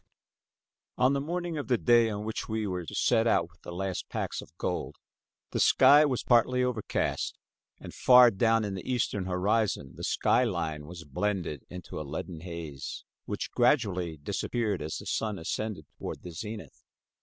* On the morning of the day on which we were to set out with the last packs of gold, the sky was partly overcast, and far down in the eastern horizon the sky line was blended into a leaden haze, which gradually disappeared as the sun ascended toward the zenith.